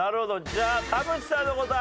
じゃあ田渕さんの答え。